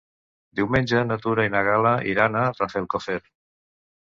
Diumenge na Tura i na Gal·la iran a Rafelcofer.